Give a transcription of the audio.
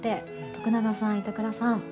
、徳永さん、板倉さん